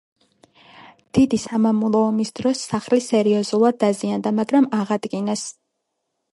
დიდი სამამულო ომის დროს, სახლი სერიოზულად დაზიანდა, მაგრამ აღადგინეს.